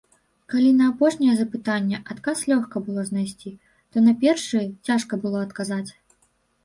Калі на апошняе запытанне адказ лёгка было знайсці, то на першыя цяжка было адказаць.